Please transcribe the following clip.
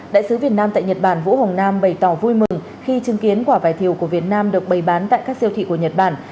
đại sứ việt nam tại nhật bản vũ hồng nam bày tỏ vui mừng khi chứng kiến quả vải thiều của việt nam được bày bán tại các siêu thị của nhật bản